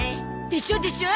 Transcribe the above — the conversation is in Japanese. でしょでしょ！